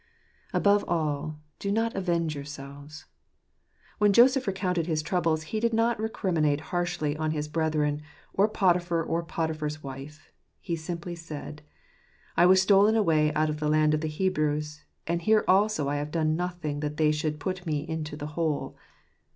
Above all , do not avenge yourselves. When Joseph recounted his troubles, he did not recriminate harshly on his brethren, or Potiphar, or Potiphar's wife. He simply said :" I was stolen away out of the land of the Hebrews, and here also have I done nothing that they should put me into the hole."